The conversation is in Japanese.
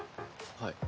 はい。